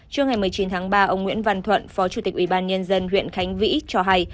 trưa ngày một mươi chín tháng ba ông nguyễn văn thuận phó chủ tịch ủy ban nhân dân huyện khánh vĩ cho hay